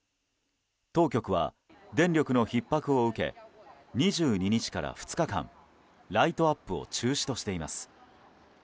当局は、電力のひっ迫を受け２２日から２日間ライトアップを中止としています。